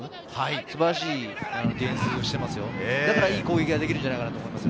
素晴らしいディフェンスをしていますよ。